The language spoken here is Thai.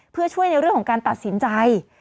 เพื่อช่วยในเรื่องของการตัดสินใจ